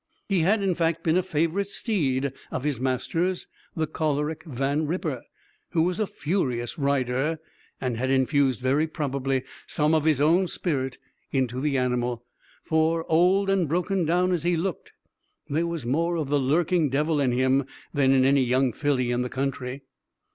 He had, in fact, been a favorite steed of his master's, the choleric Van Ripper, who was a furious rider, and had infused, very probably, some of his own spirit into the animal; for, old and broken down as he looked, there was more of the lurking devil in him than in any young filly in the country.